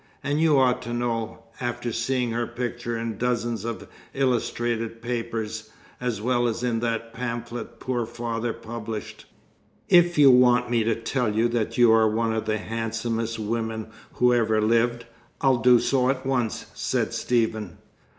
And you ought to know, after seeing her picture in dozens of illustrated papers, as well as in that pamphlet poor father published." "If you want me to tell you that you are one of the handsomest women who ever lived, I'll do so at once," said Stephen.